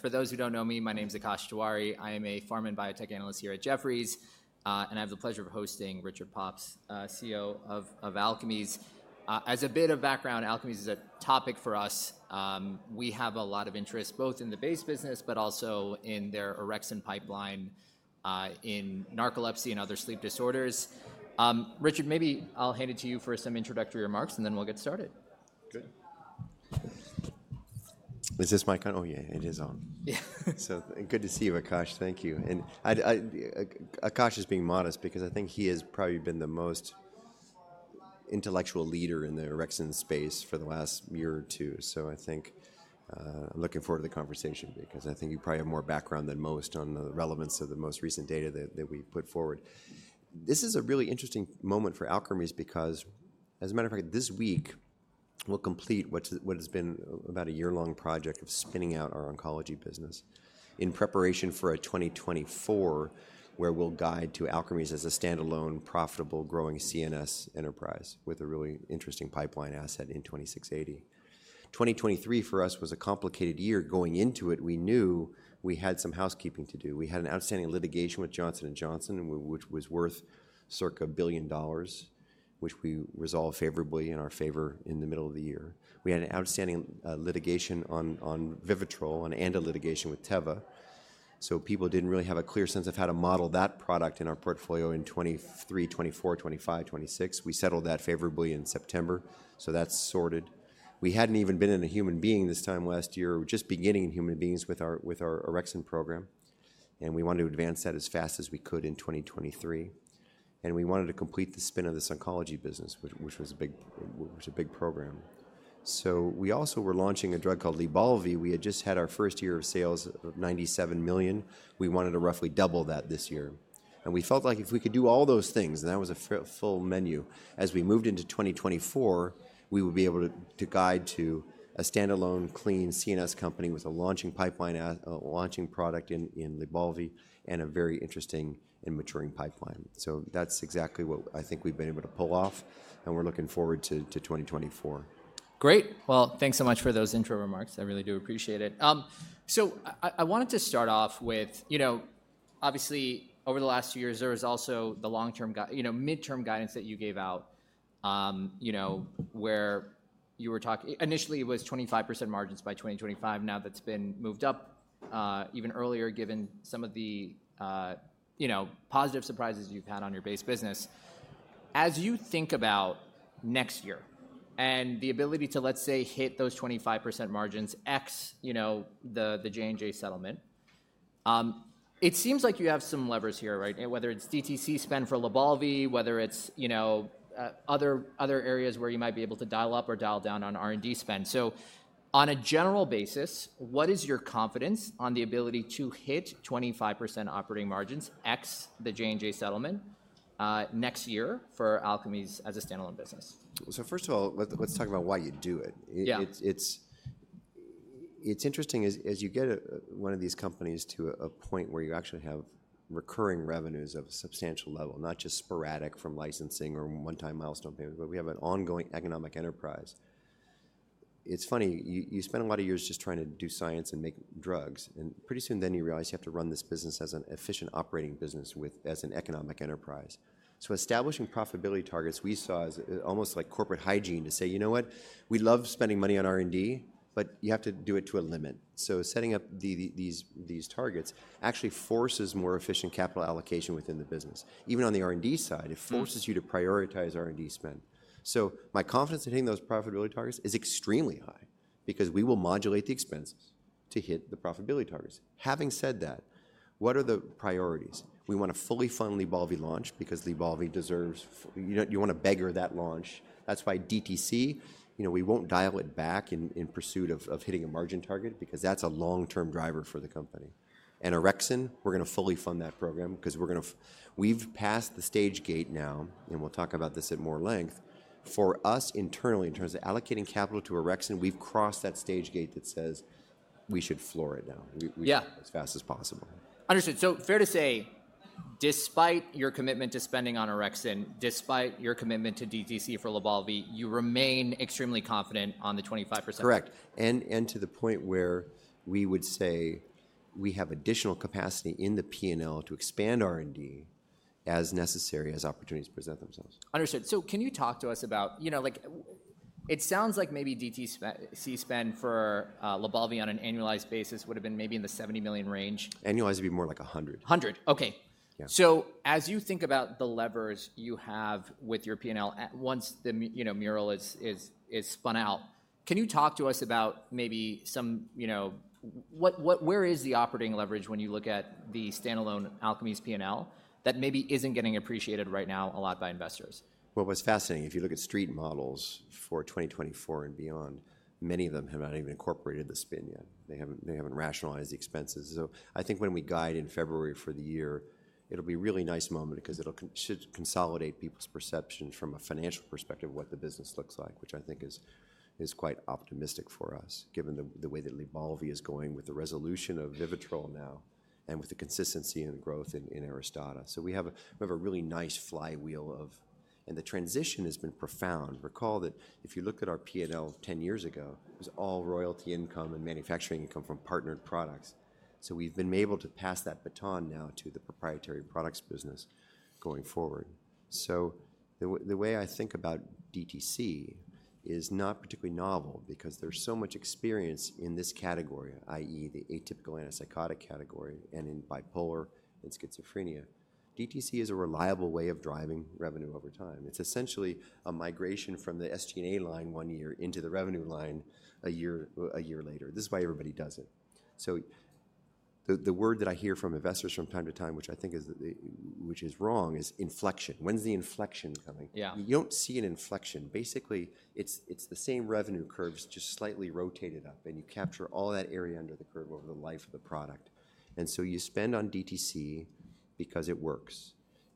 For those who don't know me, my name's Akash Tewari. I am a pharma and biotech analyst here at Jefferies, and I have the pleasure of hosting Richard Pops, CEO of Alkermes. As a bit of background, Alkermes is a topic for us. We have a lot of interest both in the base business, but also in their Orexin pipeline, in narcolepsy and other sleep disorders. Richard, maybe I'll hand it to you for some introductory remarks, and then we'll get started. Good. Is this mic on? Oh, yeah, it is on. Yeah. So good to see you, Akash. Thank you. And I'd, Akash is being modest because I think he has probably been the most intellectual leader in the Orexin space for the last year or two. So I think, I'm looking forward to the conversation because I think you probably have more background than most on the relevance of the most recent data that we put forward. This is a really interesting moment for Alkermes because, as a matter of fact, this week will complete what has been about a year-long project of spinning out our oncology business in preparation for 2024, where we'll guide to Alkermes as a standalone, profitable, growing CNS enterprise with a really interesting pipeline asset in 2680. 2023 for us was a complicated year. Going into it, we knew we had some housekeeping to do. We had an outstanding litigation with Johnson & Johnson, and which was worth circa $1 billion, which we resolved favorably in our favor in the middle of the year. We had an outstanding litigation on VIVITROL and a litigation with Teva, so people didn't really have a clear sense of how to model that product in our portfolio in 2023, 2024, 2025, 2026. We settled that favorably in September, so that's sorted. We hadn't even been in a human being this time last year, just beginning in human beings with our Orexin program, and we wanted to advance that as fast as we could in 2023. We wanted to complete the spin of this oncology business, which was a big program. So we also were launching a drug called LYBALVI. We had just had our first year of sales of $97 million. We wanted to roughly double that this year. And we felt like if we could do all those things, and that was a full menu, as we moved into 2024, we would be able to guide to a standalone, clean CNS company with a launching pipeline, a launching product in LYBALVI and a very interesting and maturing pipeline. So that's exactly what I think we've been able to pull off, and we're looking forward to 2024. Great! Well, thanks so much for those intro remarks. I really do appreciate it. So I wanted to start off with, you know, obviously, over the last few years, there was also the long-term, you know, midterm guidance that you gave out, you know, where you were initially, it was 25% margins by 2025. Now, that's been moved up, even earlier, given some of the, you know, positive surprises you've had on your base business. As you think about next year and the ability to, let's say, hit those 25% margins, ex, you know, the, the J&J settlement, it seems like you have some levers here, right? Whether it's DTC spend for LYBALVI, whether it's, you know, other, other areas where you might be able to dial up or dial down on R&D spend. On a general basis, what is your confidence on the ability to hit 25% operating margins, ex the J&J settlement, next year for Alkermes as a standalone business? First of all, let's talk about why you do it. Yeah. It's interesting as you get one of these companies to a point where you actually have recurring revenues of a substantial level, not just sporadic from licensing or one-time milestone payment, but we have an ongoing economic enterprise. It's funny, you spend a lot of years just trying to do science and make drugs, and pretty soon then you realize you have to run this business as an efficient operating business with as an economic enterprise. So establishing profitability targets, we saw as almost like corporate hygiene to say, "You know what? We love spending money on R&D, but you have to do it to a limit." So setting up these targets actually forces more efficient capital allocation within the business. Even on the R&D side it forces you to prioritize R&D spend. So my confidence in hitting those profitability targets is extremely high because we will modulate the expenses to hit the profitability targets. Having said that, what are the priorities? We want to fully fund LYBALVI launch because LYBALVI deserves, you know, you want to bigger that launch. That's why DTC, you know, we won't dial it back in pursuit of hitting a margin target because that's a long-term driver for the company. And Orexin, we're gonna fully fund that program 'cause we've passed the stage gate now, and we'll talk about this at more length. For us internally, in terms of allocating capital to Orexin, we've crossed that stage gate that says we should floor it now. Yeah. We should go as fast as possible. Understood. So fair to say, despite your commitment to spending on Orexin, despite your commitment to DTC for LYBALVI, you remain extremely confident on the 25%? Correct. And to the point where we would say we have additional capacity in the P&L to expand R&D as necessary, as opportunities present themselves. Understood. So can you talk to us about, you know, like, it sounds like maybe DTC spend for LYBALVI on an annualized basis would have been maybe in the $70 million range. Annualized would be more like 100. Hundred? Okay. Yeah. So as you think about the levers you have with your P&L once the Mural, you know, is spun out, can you talk to us about maybe some, you know, what, what, where is the operating leverage when you look at the standalone Alkermes P&L, that maybe isn't getting appreciated right now a lot by investors? Well, what's fascinating, if you look at street models for 2024 and beyond, many of them have not even incorporated the spin yet. They haven't, they haven't rationalized the expenses. So I think when we guide in February for the year, it'll be a really nice moment because it'll should consolidate people's perception from a financial perspective, what the business looks like, which I think is, is quite optimistic for us, given the, the way that LYBALVI is going with the resolution of VIVITROL now and with the consistency and growth in, in ARISTADA. So we have a, we have a really nice flywheel of. and the transition has been profound. Recall that if you look at our P&L 10 years ago, it was all royalty income and manufacturing income from partnered products. So we've been able to pass that baton now to the proprietary products business going forward. So the way, the way I think about DTC is not particularly novel because there's so much experience in this category, i.e., the atypical antipsychotic category, and in bipolar and schizophrenia. DTC is a reliable way of driving revenue over time. It's essentially a migration from the SG&A line one year into the revenue line a year, a year later. This is why everybody does it. So the, the word that I hear from investors from time to time, which I think is the, which is wrong, is inflection. When's the inflection coming? Yeah. You don't see an inflection. Basically, it's the same revenue curves just slightly rotated up, and you capture all that area under the curve over the life of the product. And so you spend on DTC because it works,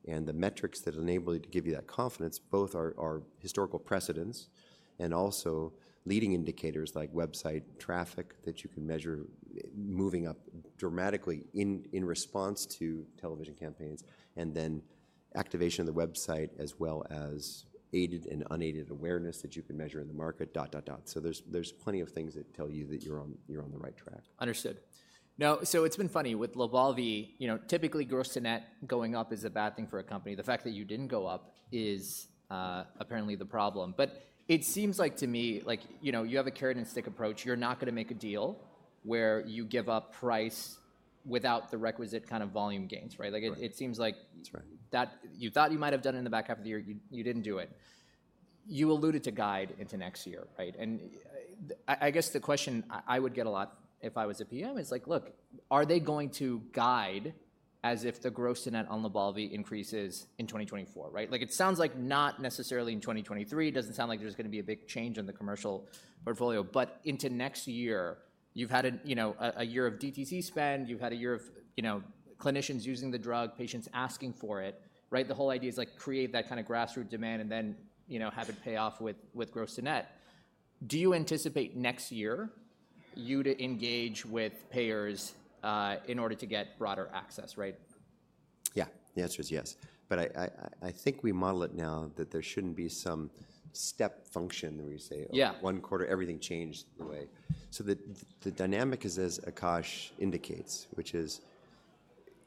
and the metrics that enable it to give you that confidence both are historical precedents and also leading indicators like website traffic that you can measure moving up dramatically in response to television campaigns, and then activation of the website, as well as aided and unaided awareness that you can measure in the market. So there's plenty of things that tell you that you're on the right track. Understood. Now, so it's been funny with LYBALVI, you know, typically gross-to-net going up is a bad thing for a company. The fact that you didn't go up is apparently the problem. But it seems like to me, like, you know, you have a carrot-and-stick approach. You're not gonna make a deal where you give up price without the requisite kind of volume gains, right? Right. Like, it seems like. That's right That you thought you might have done it in the back half of the year. You didn't do it. You alluded to guide into next year, right? And I guess the question I would get a lot if I was a PM is like, look, are they going to guide as if the gross-to-net on LYBALVI increases in 2024, right? Like, it sounds like not necessarily in 2023. It doesn't sound like there's gonna be a big change in the commercial portfolio, but into next year, you've had a year of DTC spend, you've had a year of clinicians using the drug, patients asking for it, right? The whole idea is, like, create that kind of grassroots demand and then have it pay off with gross-to-net. Do you anticipate next year, you to engage with payers, in order to get broader access, right? Yeah. The answer is yes, but I think we model it now that there shouldn't be some step function where you say. Yeah One quarter, everything changed the way. So the dynamic is as Akash indicates, which is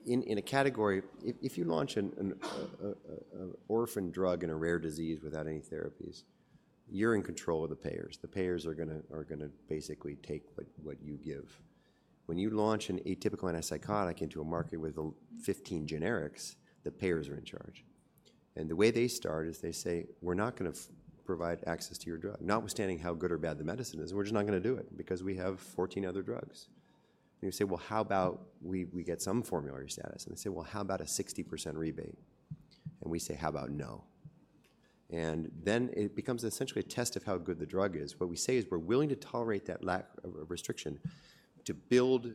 in a category, if you launch an orphan drug in a rare disease without any therapies, you're in control of the payers. The payers are gonna basically take what you give. When you launch an atypical antipsychotic into a market with 15 generics, the payers are in charge, and the way they start is they say: "We're not gonna f-- provide access to your drug, notwithstanding how good or bad the medicine is. We're just not gonna do it because we have 14 other drugs." And you say, "Well, how about we get some formulary status?" And they say, "Well, how about a 60% rebate?" And we say: How about no? Then it becomes essentially a test of how good the drug is. What we say is: We're willing to tolerate that lack of restriction to build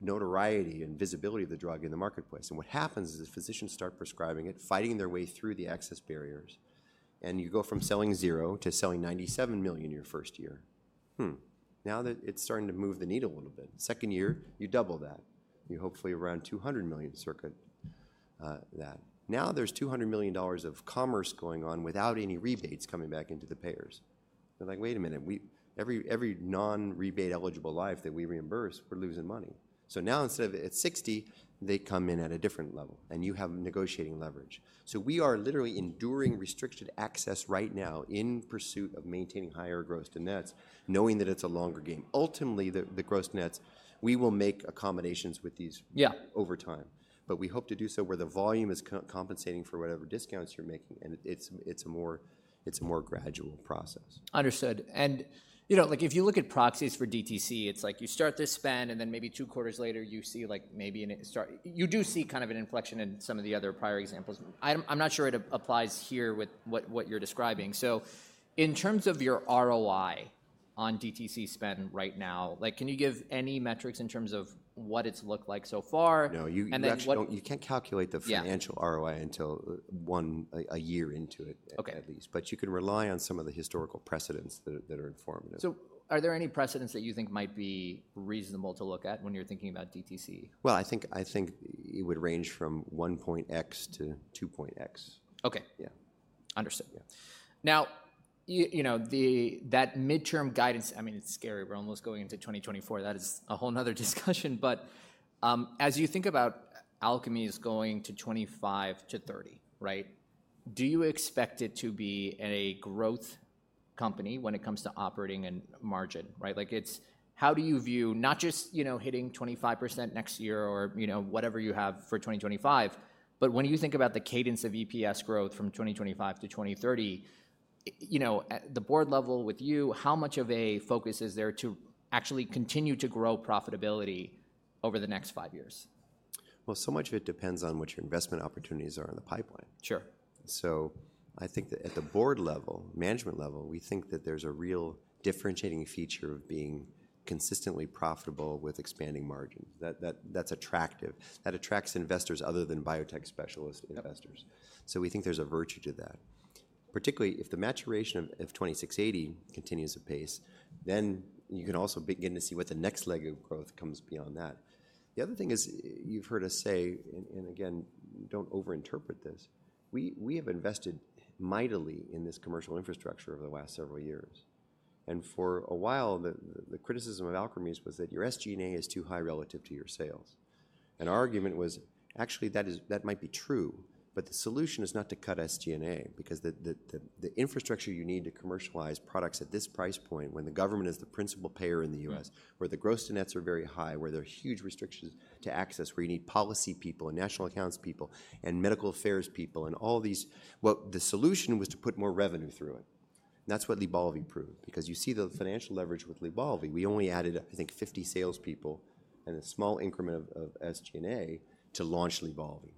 notoriety and visibility of the drug in the marketplace. And what happens is physicians start prescribing it, fighting their way through the access barriers, and you go from selling zero to selling $97 million in your first year. Now that it's starting to move the needle a little bit. Second year, you double that. You're hopefully around $200 million circa. Now there's $200 million of commerce going on without any rebates coming back into the payers. They're like, "Wait a minute, every non-rebate-eligible life that we reimburse, we're losing money." So now, instead of at 60, they come in at a different level, and you have negotiating leverage. So we are literally enduring restricted access right now in pursuit of maintaining higher gross-to-net, knowing that it's a longer game. Ultimately, the gross-to-net, we will make accommodations with these. Yeah Over time, but we hope to do so where the volume is co-compensating for whatever discounts you're making, and it's a more gradual process. Understood. And, you know, like if you look at proxies for DTC, it's like you start to spend, and then maybe two quarters later, you see like You do see kind of an inflection in some of the other prior examples. I'm not sure it applies here with what you're describing. So in terms of your ROI on DTC spend right now, like, can you give any metrics in terms of what it's looked like so far? No, you. And then what. You actually don't, you can't calculate the. Yeah. Financial ROI until 1 year into it. Okay. At least. But you can rely on some of the historical precedents that are, that are informative. Are there any precedents that you think might be reasonable to look at when you're thinking about DTC? Well, I think it would range from 1.X-2.X. Okay. Yeah. Understood. Yeah. Now, you know, that midterm guidance, I mean, it's scary. We're almost going into 2024. That is a whole another discussion, but, as you think about Alkermes going to 25-30, right? Do you expect it to be a growth company when it comes to operating and margin, right? Like, it's... How do you view not just, you know, hitting 25% next year or, you know, whatever you have for 2025, but when you think about the cadence of EPS growth from 2025 to 2030, you know, at the board level with you, how much of a focus is there to actually continue to grow profitability over the next five years? Well, so much of it depends on what your investment opportunities are in the pipeline. Sure. I think that at the board level, management level, we think that there's a real differentiating feature of being consistently profitable with expanding margins. That's attractive. That attracts investors other than biotech specialist investors. Yep. So we think there's a virtue to that, particularly if the maturation of 2680 continues apace, then you can also begin to see what the next leg of growth comes beyond that. The other thing is, you've heard us say, and again, don't overinterpret this, we have invested mightily in this commercial infrastructure over the last several years. And for a while, the criticism of Alkermes was that your SG&A is too high relative to your sales. And our argument was, actually, that might be true, but the solution is not to cut SG&A because the infrastructure you need to commercialize products at this price point, when the government is the principal payer in the U.S. where the gross-to-net are very high, where there are huge restrictions to access, where you need policy people, and national accounts people, and medical affairs people, and all these. Well, the solution was to put more revenue through it, and that's what LYBALVI proved. Because you see the financial leverage with LYBALVI. We only added, I think, 50 salespeople and a small increment of SG&A to launch LYBALVI.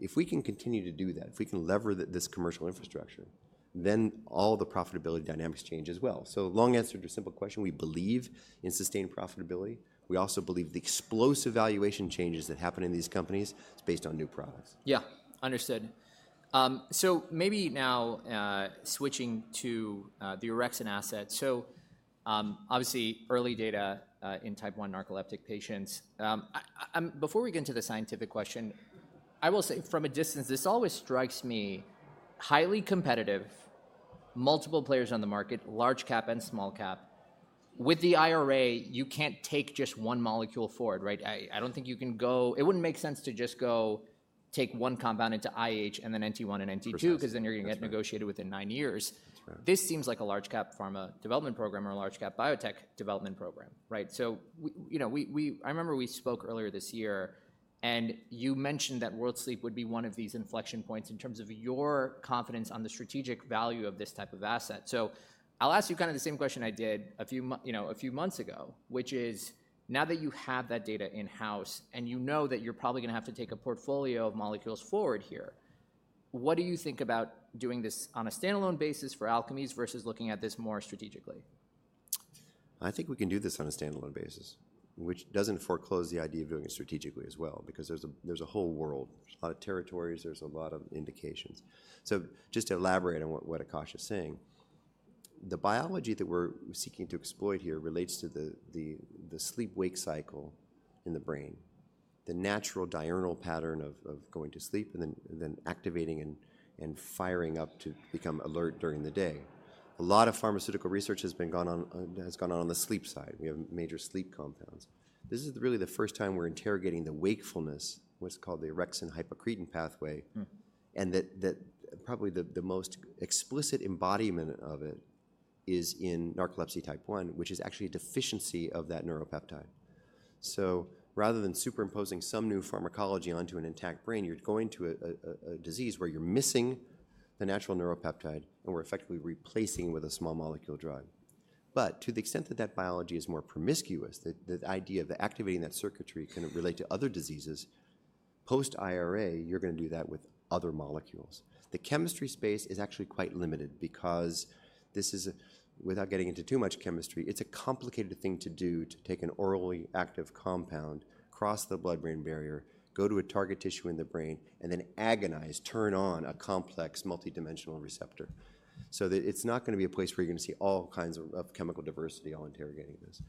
If we can continue to do that, if we can leverage this commercial infrastructure, then all the profitability dynamics change as well. So long answer to a simple question, we believe in sustained profitability. We also believe the explosive valuation changes that happen in these companies is based on new products. Yeah, understood. Maybe now, switching to the orexin asset. Obviously, early data in Type 1 narcoleptic patients. Before we get into the scientific question, I will say from a distance, this always strikes me highly competitive, multiple players on the market, large cap and small cap. With the IRA, you can't take just one molecule forward, right? I don't think you can go. It wouldn't make sense to just go take one compound into IH and then NT1 and NT2. Precisely. 'cause then you're gonna get negotiated within nine years. That's right. This seems like a large cap pharma development program or a large cap biotech development program, right? So you know, I remember we spoke earlier this year, and you mentioned that World Sleep would be one of these inflection points in terms of your confidence on the strategic value of this type of asset. So I'll ask you kinda the same question I did a few you know, a few months ago, which is: Now that you have that data in-house and you know that you're probably gonna have to take a portfolio of molecules forward here, what do you think about doing this on a standalone basis for Alkermes versus looking at this more strategically? I think we can do this on a standalone basis, which doesn't foreclose the idea of doing it strategically as well, because there's a whole world. There's a lot of territories, there's a lot of indications. So just to elaborate on what Akash is saying, the biology that we're seeking to exploit here relates to the sleep-wake cycle in the brain, the natural diurnal pattern of going to sleep and then activating and firing up to become alert during the day. A lot of pharmaceutical research has gone on on the sleep side. We have major sleep compounds. This is really the first time we're interrogating the wakefulness, what's called the orexin/hypocretin pathway. Mm. And that probably the most explicit embodiment of it is in Narcolepsy Type 1, which is actually a deficiency of that neuropeptide. So rather than superimposing some new pharmacology onto an intact brain, you're going to a disease where you're missing the natural neuropeptide, and we're effectively replacing with a small molecule drug. But to the extent that that biology is more promiscuous, the idea of activating that circuitry can relate to other diseases, post-IRA, you're gonna do that with other molecules. The chemistry space is actually quite limited because this is, without getting into too much chemistry, it's a complicated thing to do, to take an orally active compound, cross the blood-brain barrier, go to a target tissue in the brain, and then agonize, turn on a complex multidimensional receptor. So it's not gonna be a place where you're gonna see all kinds of chemical diversity all interrogating this.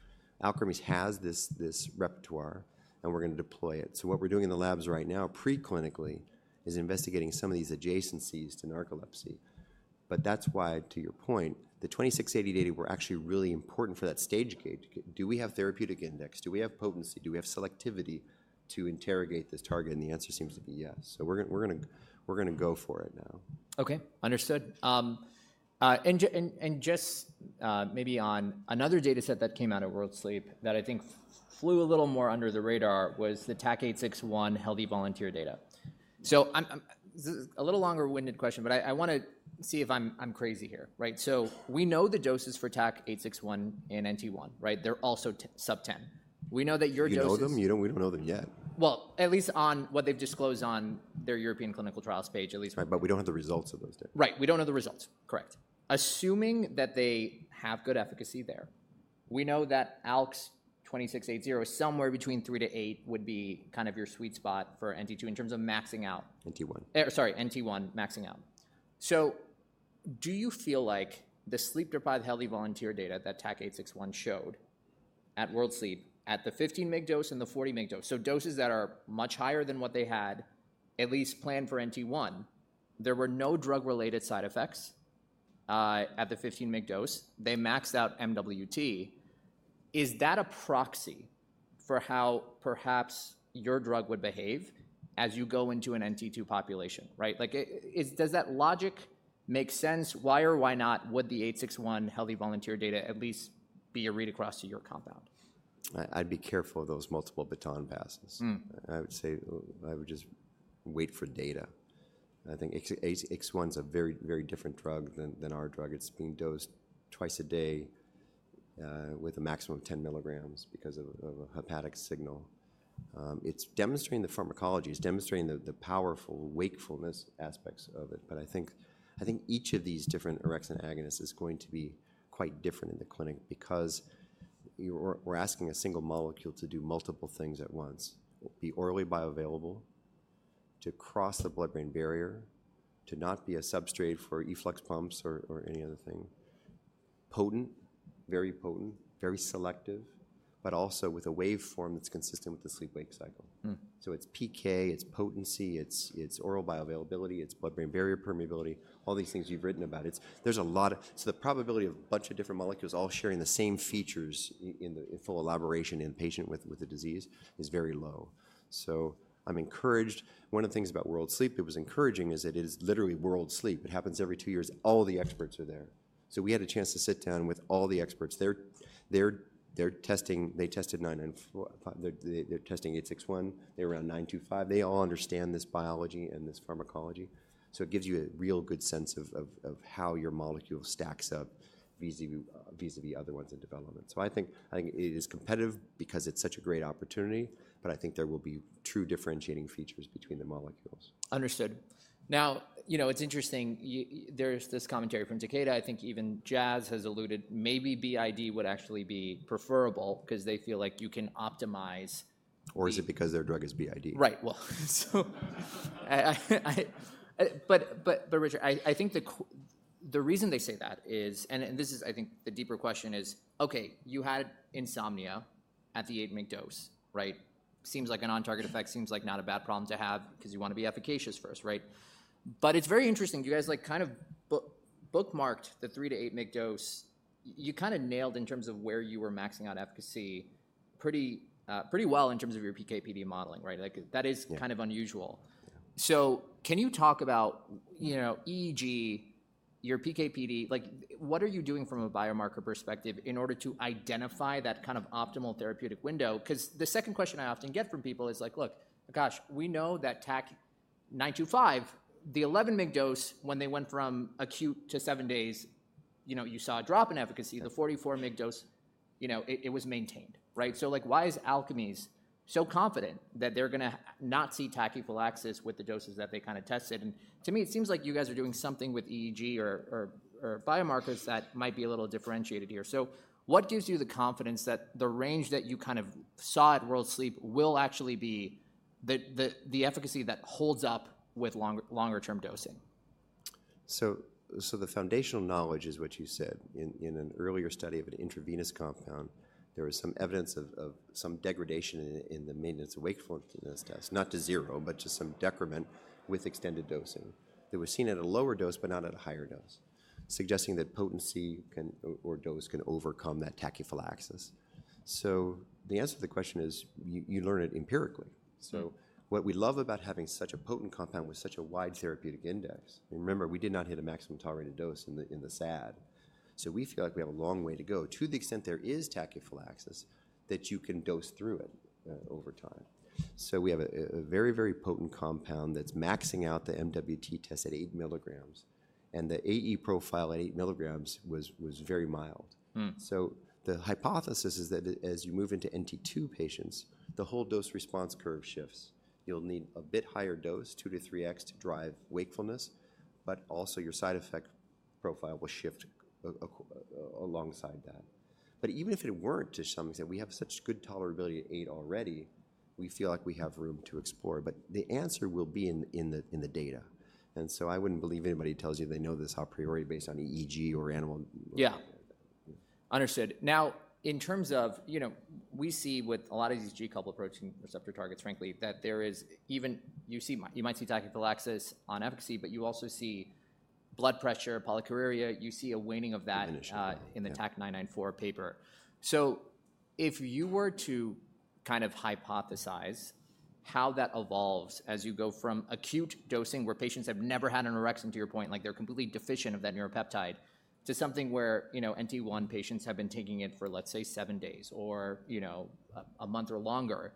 Alkermes has this, this repertoire, and we're gonna deploy it. So what we're doing in the labs right now, preclinically, is investigating some of these adjacencies to narcolepsy. But that's why, to your point, the 2680 data were actually really important for that stage gate. Do we have therapeutic index? Do we have potency? Do we have selectivity to interrogate this target? And the answer seems to be yes. So we're gonna, we're gonna, we're gonna go for it now. Okay, understood. And just maybe on another data set that came out of World Sleep that I think flew a little more under the radar was the TAK-861 healthy volunteer data. So I'm a little longer-winded question, but I wanna see if I'm crazy here, right? So we know the doses for TAK-861 and NT1, right? They're also 10 sub-10. We know that your doses- You know them? You don't. We don't know them yet. Well, at least on what they've disclosed on their European clinical trials page, at least. Right, but we don't have the results of those data. Right, we don't have the results. Correct. Assuming that they have good efficacy there, we know that ALKS 2680 is somewhere between 3-8 would be kind of your sweet spot for NT2 in terms of maxing out. NT one. Sorry, NT1, maxing out. So do you feel like the sleep-deprived healthy volunteer data that TAK-861 showed at World Sleep, at the 15 mg dose and the 40 mg dose, so doses that are much higher than what they had at least planned for NT1, there were no drug-related side effects at the 15 mg dose. They maxed out MWT. Is that a proxy for how perhaps your drug would behave as you go into an NT2 population, right? Like, does that logic make sense? Why or why not would the 861 healthy volunteer data at least be a read across to your compound? I'd be careful of those multiple baton passes. Mm. I would say I would just wait for data. I think TAK-861's a very, very different drug than our drug. It's being dosed twice a day with a maximum of 10 milligrams because of a hepatic signal. It's demonstrating the pharmacology. It's demonstrating the powerful wakefulness aspects of it. But I think each of these different orexin agonists is going to be quite different in the clinic because we're asking a single molecule to do multiple things at once. Be orally bioavailable, to cross the blood-brain barrier, to not be a substrate for efflux pumps or any other thing. Potent, very potent, very selective, but also with a waveform that's consistent with the sleep-wake cycle. Mm. So it's PK, it's potency, it's oral bioavailability, it's blood-brain barrier permeability, all these things you've written about. It's. There's a lot of. So the probability of a bunch of different molecules all sharing the same features in the full elaboration in patient with the disease is very low. So I'm encouraged. One of the things about World Sleep that was encouraging is that it is literally world sleep. It happens every two years. All the experts are there. So we had a chance to sit down with all the experts. They're testing 861. They tested 994. They're testing 861. They're around 925. They all understand this biology and this pharmacology. So it gives you a real good sense of how your molecule stacks up vis-a-vis other ones in development. I think, I think it is competitive because it's such a great opportunity, but I think there will be true differentiating features between the molecules. Understood. Now, you know, it's interesting, there's this commentary from Takeda. I think even Jazz has alluded, maybe BID would actually be preferable 'cause they feel like you can optimize- Or is it because their drug is BID? Right. Well, so I think the reason they say that is, and this is, I think the deeper question is, okay, you had insomnia at the 8 mg dose, right? Seems like a non-target effect, seems like not a bad problem to have 'cause you wanna be efficacious first, right? But it's very interesting, you guys like kind of bookmarked the 3-8 mg dose. You kinda nailed it in terms of where you were maxing out efficacy pretty well in terms of your PK/PD modeling, right? Like, that is. Yeah. Kind of unusual. Yeah. So can you talk about, you know, EEG, your PK/PD? Like, what are you doing from a biomarker perspective in order to identify that kind of optimal therapeutic window? 'Cause the second question I often get from people is like: Look, Akash, we know that TAK-925, the 11 mg dose, when they went from acute to 7 days, you know, you saw a drop in efficacy. The 44 mg dose, you know, it, it was maintained, right? So, like, why is Alkermes so confident that they're gonna not see tachyphylaxis with the doses that they kinda tested? And to me, it seems like you guys are doing something with EEG or, or, or biomarkers that might be a little differentiated here. So what gives you the confidence that the range that you kind of saw at World Sleep will actually be the efficacy that holds up with longer-term dosing? So the foundational knowledge is what you said. In an earlier study of an intravenous compound, there was some evidence of some degradation in the maintenance of wakefulness test, not to zero, but to some decrement with extended dosing. That was seen at a lower dose, but not at a higher dose, suggesting that potency can, or dose can overcome that tachyphylaxis. So the answer to the question is, you learn it empirically. Mm. So what we love about having such a potent compound with such a wide therapeutic index, and remember, we did not hit a maximum tolerated dose in the SAD. So we feel like we have a long way to go. To the extent there is tachyphylaxis, that you can dose through it over time. So we have a very, very potent compound that's maxing out the MWT test at 8 milligrams, and the AE profile at 8 milligrams was very mild. Mm. So the hypothesis is that as you move into NT2 patients, the whole dose response curve shifts. You'll need a bit higher dose, 2-3x, to drive wakefulness, but also your side effect profile will shift alongside that. But even if it weren't to some extent, we have such good tolerability at 8 already, we feel like we have room to explore. But the answer will be in the data, and so I wouldn't believe anybody who tells you they know this a priori based on EEG or animal- Yeah. Understood. Now, in terms of, you know, we see with a lot of these G protein-coupled receptor targets, frankly, that there is even- you see, you might see tachyphylaxis on efficacy, but you also see blood pressure, polyuria. You see a waning of that- Initially. in the TAK-994 paper. So if you were to kind of hypothesize how that evolves as you go from acute dosing, where patients have never had orexin, to your point, like they're completely deficient of that neuropeptide, to something where, you know, NT1 patients have been taking it for, let's say, 7 days or, you know, a month or longer,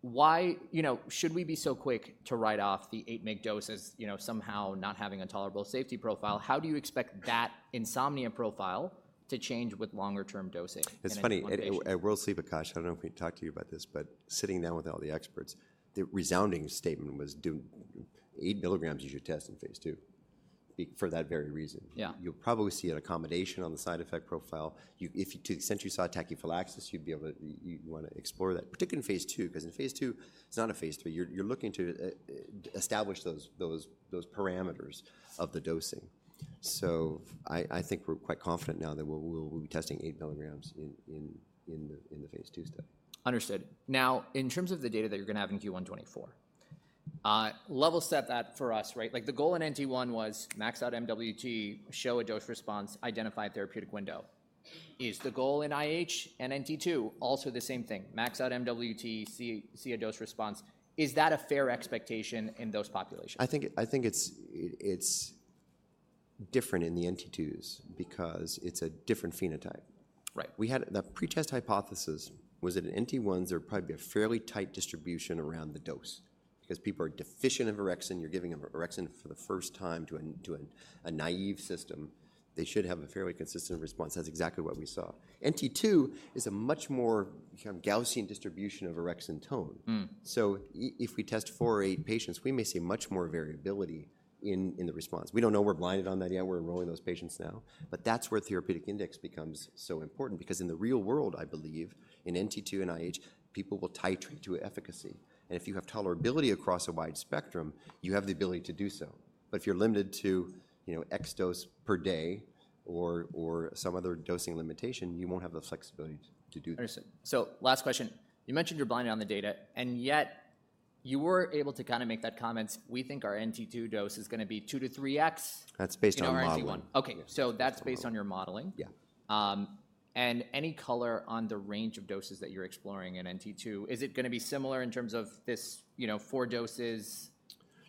why... You know, should we be so quick to write off the 8 mg dose as, you know, somehow not having a tolerable safety profile? How do you expect that insomnia profile to change with longer term dosing in one patient? It's funny, at World Sleep, Akash, I don't know if we talked to you about this, but sitting down with all the experts, the resounding statement was, "Do 8 milligrams as your test in phase II," for that very reason. Yeah. You'll probably see an accommodation on the side effect profile. To the extent you saw tachyphylaxis, you'd be able to, you'd wanna explore that, particularly in phase II, 'cause in phase II, it's not a phase III. You're looking to establish those parameters of the dosing. So I think we're quite confident now that we'll be testing 8 milligrams in the phase II study. Understood. Now, in terms of the data that you're gonna have in Q1 2024, level set that for us, right? Like, the goal in NT1 was max out MWT, show a dose response, identify a therapeutic window. Is the goal in IH and NT2 also the same thing, max out MWT, see, see a dose response? Is that a fair expectation in those populations? I think it's different in the NT2s because it's a different phenotype. Right. The pretest hypothesis was that in NT1s, there would probably be a fairly tight distribution around the dose because people are deficient in orexin. You're giving them orexin for the first time to a naive system. They should have a fairly consistent response. That's exactly what we saw. NT2 is a much more kind of Gaussian distribution of orexin tone. Mm. So if we test four or eight patients, we may see much more variability in the response. We don't know. We're blinded on that yet. We're enrolling those patients now. But that's where therapeutic index becomes so important, because in the real world, I believe, in NT2 and IH, people will titrate to efficacy. And if you have tolerability across a wide spectrum, you have the ability to do so. But if you're limited to, you know, X dose per day or some other dosing limitation, you won't have the flexibility to do that. Understood. So last question. You mentioned you're blinded on the data, and yet you were able to kinda make that comment, "We think our NT2 dose is gonna be 2-3x. That's based on modeling. In our NT1." Okay, so that's based on your modeling? Yeah. And any color on the range of doses that you're exploring in NT2? Is it gonna be similar in terms of this, you know, four doses,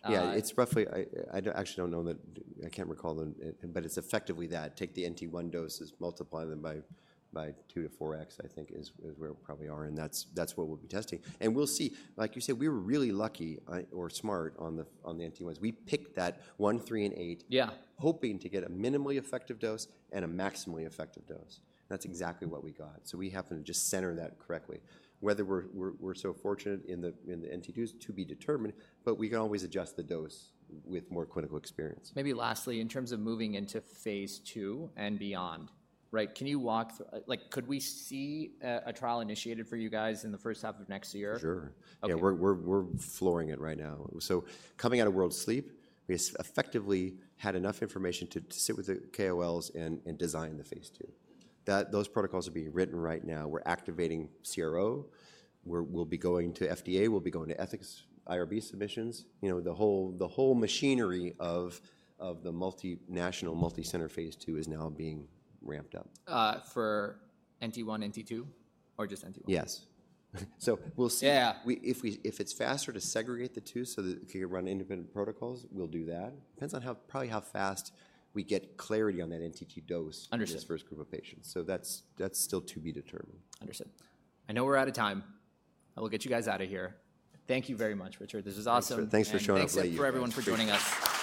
Yeah, it's roughly. I actually don't know the... I can't recall the, but it's effectively that. Take the NT1 doses, multiply them by 2-4x, I think is where we probably are, and that's what we'll be testing. And we'll see. Like you said, we were really lucky or smart on the NT1s. We picked that 1, 3, and 8. Yeah. Hoping to get a minimally effective dose and a maximally effective dose. That's exactly what we got, so we happened to just center that correctly. Whether we're so fortunate in the NT2s is to be determined, but we can always adjust the dose with more clinical experience. Maybe lastly, in terms of moving into phase II and beyond, right? Can you walk through, like, could we see a, a trial initiated for you guys in the first half of next year? Sure. Okay. Yeah, we're flooring it right now. So coming out of World Sleep, we effectively had enough information to sit with the KOLs and design the phase II. Those protocols are being written right now. We're activating CRO. We'll be going to FDA, we'll be going to ethics, IRB submissions. You know, the whole machinery of the multinational, multicenter phase II is now being ramped up. For NT1, NT2, or just NT1? Yes. So we'll see. Yeah. If it's faster to segregate the two so that we can run independent protocols, we'll do that. Depends on how, probably how fast we get clarity on that NT2 dose. Understood. In this first group of patients. So that's, that's still to be determined. Understood. I know we're out of time. I will get you guys out of here. Thank you very much, Richard. This is awesome. Thanks for showing up today, everyone. Thanks again for everyone for joining us.